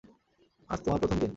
আজ তোমার প্রথম দিন।